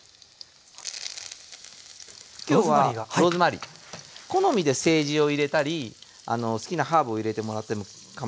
今日はローズマリー好みでセージを入れたり好きなハーブを入れてもらってもかまいません。